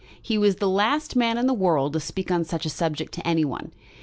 He was the last man in the world to speak on such a subject to any one.